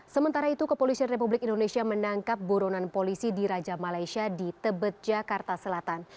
sementara itu kepolisian republik indonesia menangkap buronan polisi di raja malaysia di tebet jakarta selatan